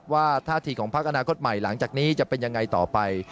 ท่าทีของพักอนาคตใหม่หลังจากนี้จะเป็นยังไงต่อไป